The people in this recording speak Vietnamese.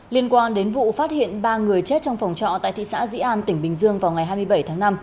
liên quan đến vụ phát hiện ba người chết trong phòng trọ tại thị xã dĩ an tỉnh bình dương vào ngày hai mươi bảy tháng năm